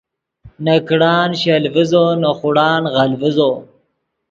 نے کڑان شل ڤیزو نے خوڑان غل ڤیزو